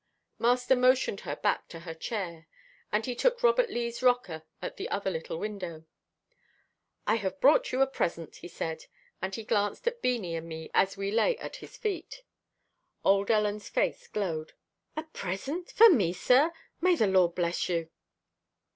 Master motioned her back to her chair, and he took Robert Lee's rocker at the other little window. "I have brought you a present," he said, and he glanced at Beanie and me as we lay at his feet. Old Ellen's face glowed. "A present for me, sir? May the Lord bless you."